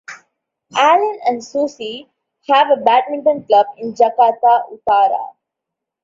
Alan and Susi have a badminton club in Jakarta Utara.